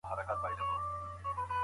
د زلزلې په اړه پخواني باورونه ناسم دي.